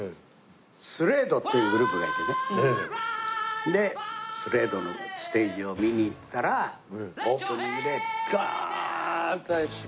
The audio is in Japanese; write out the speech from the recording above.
ＳＬＡＤＥっていうグループがいてねＳＬＡＤＥのステージを見に行ったらオープニングでドーン！とシルクハットだ